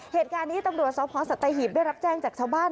เหตุการณ์นี้ตำรวจสพสัตหีบได้รับแจ้งจากชาวบ้าน